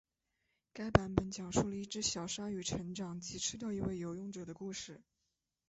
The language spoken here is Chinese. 该版本讲述了一只小鲨鱼成长及吃掉一位游泳者的故事。